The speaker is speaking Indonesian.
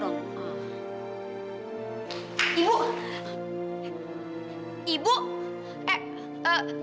jangan cimit cimit gitu yang bener dong